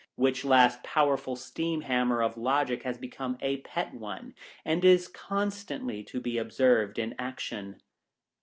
— which last powerful steam hammer of logic has become a pet one, and is constantly to be observed in action.